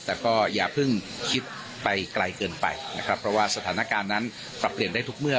แต่ก็อย่าเพิ่งคิดไปไกลเกินไปนะครับเพราะว่าสถานการณ์นั้นปรับเปลี่ยนได้ทุกเมื่อ